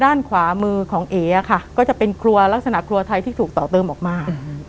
ด้านขวามือของเอ๋ค่ะก็จะเป็นครัวลักษณะครัวไทยที่ถูกต่อเติมออกมา